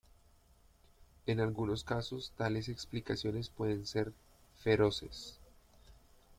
En algunos casos tales explicaciones pueden ser "feroces".